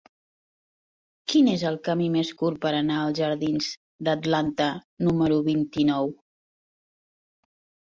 Quin és el camí més curt per anar als jardins d'Atlanta número vint-i-nou?